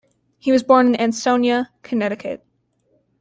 He was born in Ansonia, Connecticut.